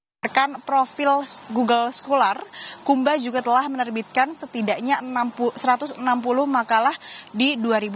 berdasarkan profil google scholar kumba juga telah menerbitkan setidaknya satu ratus enam puluh makalah di dua ribu dua puluh